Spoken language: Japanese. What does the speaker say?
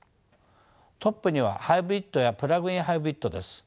トップにはハイブリッドやプラグイン・ハイブリッドです。